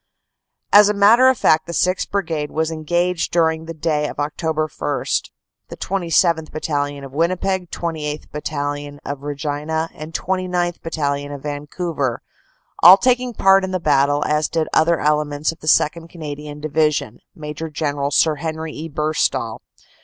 As a matter of fact the 6th. Brigade was engaged during the day of Oct. 1, the 27th. Battalion, of Winnipeg, 28th. Bat talion, of Regina, and 29th. Battalion, of Vancouver, all taking part in the battle, as did other elements of the 2nd. Canadian Division, Maj. General Sir Henry E. Burstall.